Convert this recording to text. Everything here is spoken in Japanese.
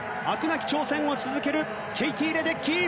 なき挑戦を続けるケイティ・レデッキー。